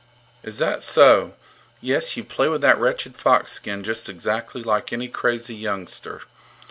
Is that so! Yes, you play with that wretched fox skin just exactly like any crazy youngster.